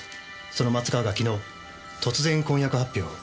その松川が昨日突然婚約発表を。